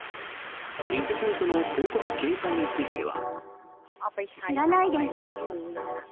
偽サイトの広告掲載については。